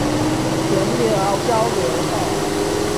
田寮交流道